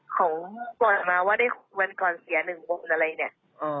เขาปล่อยออกมาว่าได้วันก่อนเสียหนึ่งคนอะไรเนี่ย